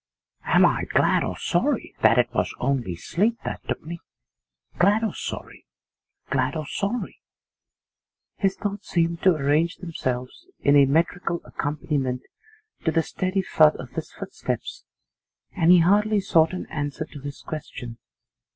'Am I glad or sorry that it was only sleep that took me, glad or sorry, glad or sorry?' His thoughts seemed to arrange themselves in a metrical accompaniment to the steady thud of his footsteps, and he hardly sought an answer to his question.